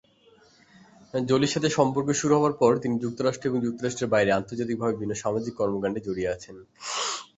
জোলির সাথে সম্পর্কে শুরু হবার পর তিনি যুক্তরাষ্ট্র ও যুক্তরাষ্ট্রের বাইরে আন্তর্জাতিকভাবে বিভিন্ন সামাজিক কর্মকাণ্ডে জড়িত আছেন।